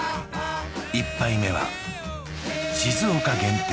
１杯目は静岡限定